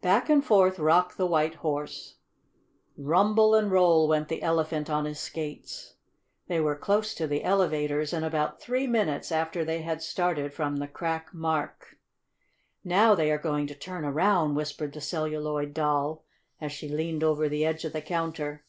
Back and forth rocked the White Horse. Rumble and roll went the Elephant on his skates. They were close to the elevators in about three minutes after they had started from the crack mark. "Now they are going to turn around," whispered the Celluloid Doll, as she leaned over the edge of the counter.